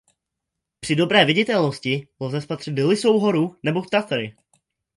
Při dobré viditelnosti lze spatřit Lysou horu nebo Tatry.